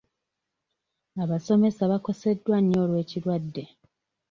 Abasomesa bakoseddwa nnyo olw'ekirwadde.